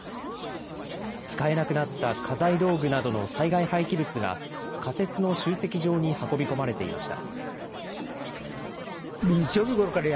使えなくなった家財道具などの災害廃棄物が仮設の集積所に運び込まれていました。